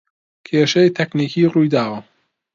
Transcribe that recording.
کێشەی تەکنیکی روویداوە